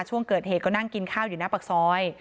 ช่วงเกิดเหตุก็นั่งกินข้าวอยู่หน้าปากซอย